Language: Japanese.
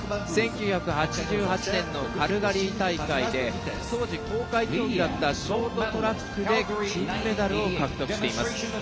１９８８年のカルガリー大会で当時、公開競技だったショートトラックで金メダルを獲得しています。